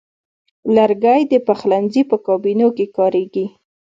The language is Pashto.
لرګی د پخلنځي په کابینو کې کاریږي.